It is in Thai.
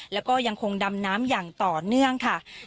แล้วก็ยังคงดำน้ำอย่างต่อเนื่องค่ะ